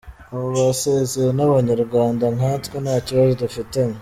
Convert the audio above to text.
”Abo basezeye n’abanyarwanda nkatwe nta kibazo dufitanye.